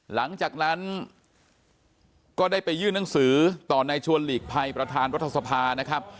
หลังจากนั้นก็ได้ไปยื่นหนังสือต่อในชวนหลีกภัยประธานรัฐสภานะครับ